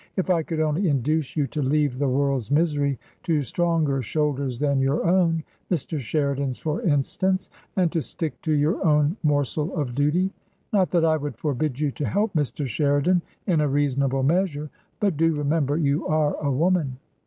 If I could only induce you to leave the world's misery to stronger shoulders than your own — Mr. Sheridan's, for instance — and to stick to your own morsel of duty. Not that I would forbid you to help Mr. Sheridan in a reasonable measure. But do remember you are a woman."